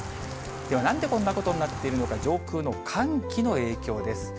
では、なんでこんなことになっているのか、上空の寒気の影響です。